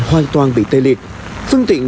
hoàn toàn bị tê liệt phương tiện